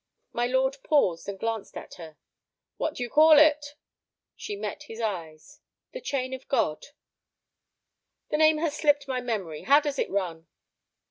My lord paused and glanced at her. "What do you call it?" She met his eyes. "'The Chain of Gold.'" "The name has slipped my memory. How does it run?"